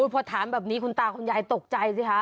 พอถามแบบนี้คุณตาคุณยายตกใจสิคะ